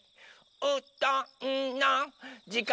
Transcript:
「うどんのじかんです！」